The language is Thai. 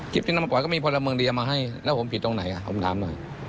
คลิปที่มันมาปล่อยก็มีคนละเมืองเรียมาให้แล้วผมผิดตรงไหนอ่ะผมถามหน่อย